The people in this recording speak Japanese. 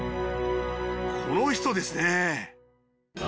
この人ですね